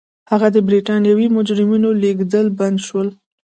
هلته د برېټانوي مجرمینو لېږدېدل بند شول.